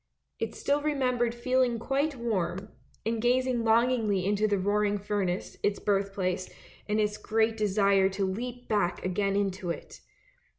It still remembered feeling quite warm, and gazing longingly into the roaring furnace, its birth place; and its great desire to leap back again into it.